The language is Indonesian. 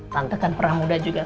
tante kan pernah muda juga